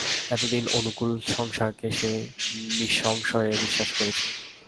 এতদিন অনুকূল সংসারকে সে নিঃসংশয়ে বিশ্বাস করেছে।